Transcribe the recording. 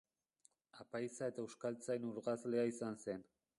Apaiza eta euskaltzain urgazlea izan zen.